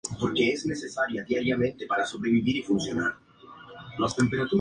Fue integrante de la Comisión Permanente de Constitución, Legislación y Justicia.